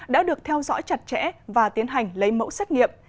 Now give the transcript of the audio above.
đã được theo dõi chặt chẽ và tiến hành lấy mẫu xét nghiệm